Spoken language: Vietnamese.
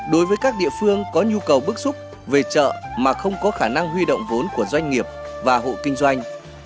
đối với các địa phương có nhu cầu bức xúc về chợ mà không có khả năng huy động vốn của doanh nghiệp và hộ kinh doanh